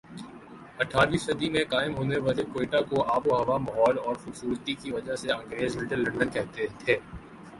اٹھارہویں صدی میں قائم ہونے والے کوئٹہ کو آب و ہوا ماحول اور خوبصورتی کی وجہ سے انگریز لٹل لندن کہتے تھے